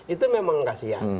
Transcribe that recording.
itu memang kasian